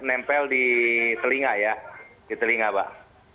sampai di telinga ya di telinga mbak